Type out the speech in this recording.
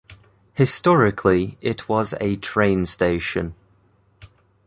Historically it was a train station.